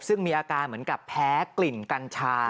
ซึ่งมีอาการเหมือนกับแพ้กลิ่นกัญชา